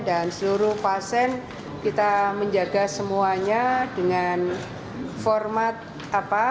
dan seluruh pasien kita menjaga semuanya dengan format apa